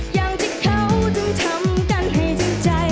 อย่างที่เขาจึงทำกันให้ถึงใจ